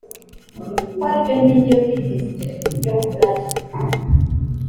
kuko aribyo nkingi yo kwiteza imbere mu buryo bunyuranye